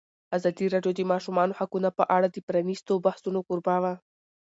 ازادي راډیو د د ماشومانو حقونه په اړه د پرانیستو بحثونو کوربه وه.